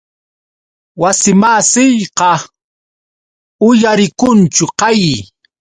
Wasimasiyqa uyarikunchu qay.